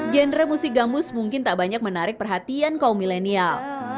genre musik gambus mungkin tak banyak menarik perhatian kaum milenial